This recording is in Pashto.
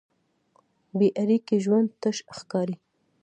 بېاړیکې ژوند تش ښکاري.